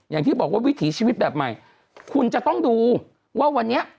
อย่างที่บอกว่าวิถีชีวิตแบบใหม่คุณจะต้องดูว่าวันนี้